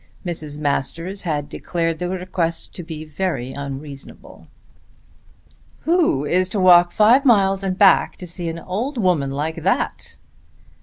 Mrs. Masters had declared the request to be very unreasonable. "Who is to walk five miles and back to see an old woman like that?"